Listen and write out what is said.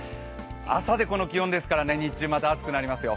朝でこの気温ですから日中、また暑くなりますよ。